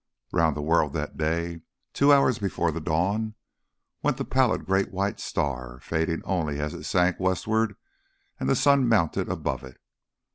Round the world that day, two hours before the dawn, went the pallid great white star, fading only as it sank westward and the sun mounted above it.